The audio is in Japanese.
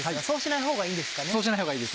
そうしないほうがいいですね。